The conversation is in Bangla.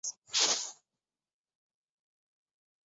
Sir, success.